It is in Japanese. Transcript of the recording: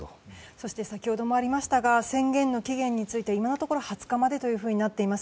先ほどもありましたが宣言の期限について今のところ２０日までとなっています。